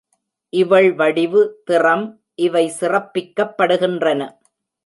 இவள் வடிவு, திறம் இவை சிறப்பிக்கப்படுகின்றன.